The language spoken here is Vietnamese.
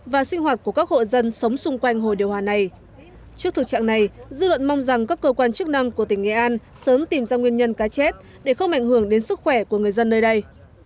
và mặt của các hộ dân sống xung quanh hồ điều hòa này trước thực trạng này dư luận mong rằng các cơ quan chức năng của tỉnh nghệ an sớm tìm ra nguyên nhân cá chết để không ảnh hưởng đến sức khỏe của người dân nơi đây